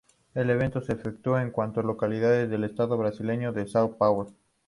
El evento se efectuó en cuatro localidades del estado brasileño de São Paulo.